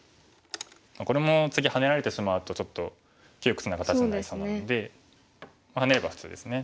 これも次ハネられてしまうとちょっと窮屈な形になりそうなのでハネれば普通ですね。